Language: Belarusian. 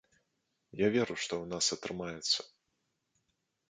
Я веру, што ў нас атрымаецца.